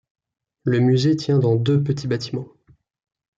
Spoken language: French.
Le musée tient dans deux petits bâtiments.